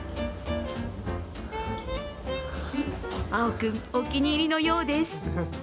碧君、お気に入りのようです。